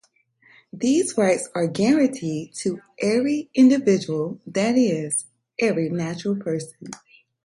These rights are guaranteed to "every individual", that is, every natural person.